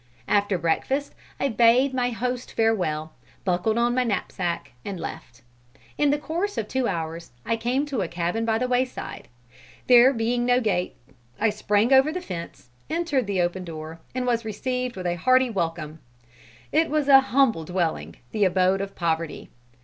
After breakfast, I bade my host farewell, buckled on my knapsack and left. In the course of two hours, I came to a cabin by the wayside. There being no gate, I sprang over the fence, entered the open door, and was received with a hearty welcome. It was an humble dwelling, the abode of poverty.